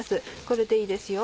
これでいいですよ。